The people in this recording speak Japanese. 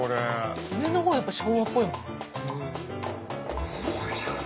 上の方はやっぱ昭和っぽいもん。